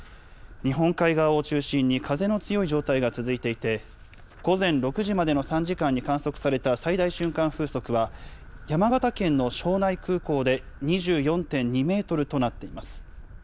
日本海側を中心に風の強い状態が続いていて、午前６時までの３時間に観測された最大瞬間風速は、山形県の庄内空港で２４．２メートルとなっています。